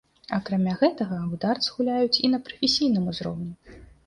Акрамя гэтага, у дартс гуляюць і на прафесійным узроўні.